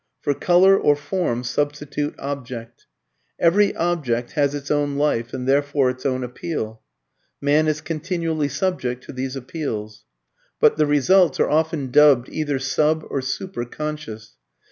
For "colour" or "form" substitute "object." Every object has its own life and therefore its own appeal; man is continually subject to these appeals. But the results are often dubbed either sub or super conscious.